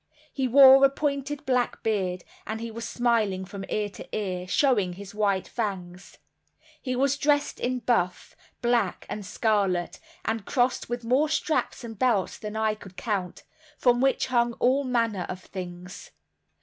He wore a pointed black beard, and he was smiling from ear to ear, showing his white fangs. He was dressed in buff, black, and scarlet, and crossed with more straps and belts than I could count, from which hung all manner of things.